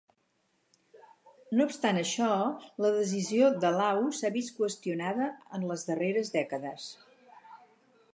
No obstant això, la decisió de Lau s'ha vist qüestionada en les darreres dècades.